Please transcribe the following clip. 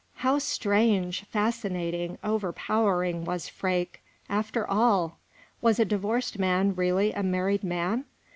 How strange, fascinating, overpowering was Freke, after all! Was a divorced man really a married man?